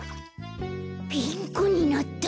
ピンクになった。